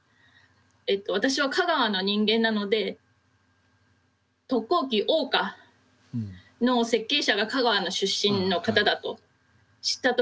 私は香川の人間なので特攻機桜花の設計者が香川の出身の方だと知った時はショックでした。